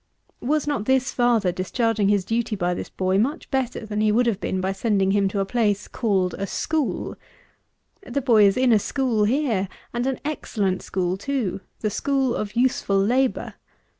Was not this father discharging his duty by this boy much better than he would have been by sending him to a place called a school? The boy is in a school here; and an excellent school too: the school of useful labour.